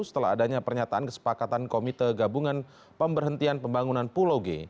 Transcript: setelah adanya pernyataan kesepakatan komite gabungan pemberhentian pembangunan pulau g